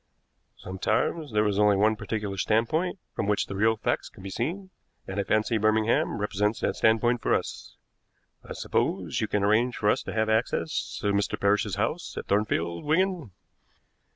"Sometimes there is only one particular standpoint from which the real facts can be seen, and I fancy Birmingham represents that standpoint for us. I suppose you can arrange for us to have access to Mr. Parrish's house at Thornfield, Wigan?"